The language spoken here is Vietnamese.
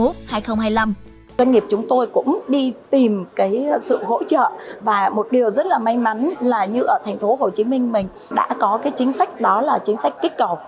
doanh nghiệp chúng tôi cũng đi tìm cái sự hỗ trợ và một điều rất là may mắn là như ở tp hcm mình đã có cái chính sách đó là chính sách kích cầu